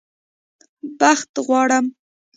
بخت غواړم